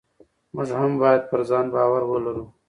موږ هم باید پر ځان باور ولرو.